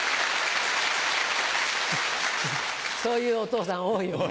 そういうお父さん多いよね。